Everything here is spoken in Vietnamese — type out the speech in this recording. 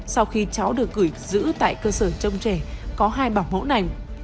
sau khi cháu được gửi giữ tại cơ sở trông trẻ có hai bỏng hỗn ảnh